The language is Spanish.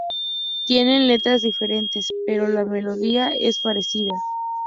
Tienen letras diferentes, pero la melodía es parecida.